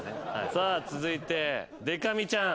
さあ続いてでか美ちゃん。